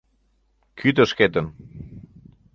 Кӱтӧ шкетын!